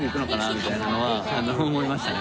みたいなのは思いましたね。